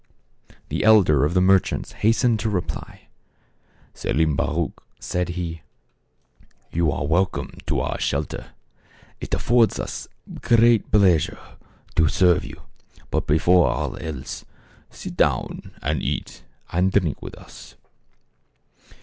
The elder of the merchants hastened to reply. " Selim Baruch," said he, " you are welcome to our shelter. It affords us great pleasure to serve you; but before all else, sit down and eat and drink with us."